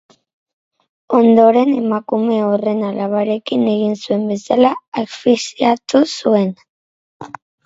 Ondoren, emakume horren alabarekin egin zuen bezala, asfixiatu zuen.